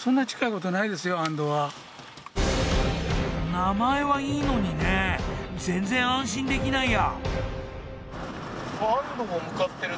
名前はいいのにね全然安心できないや。